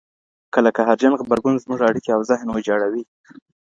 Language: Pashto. کله قهرجن غبرګون زموږ اړیکي او ذهن ویجاړوي؟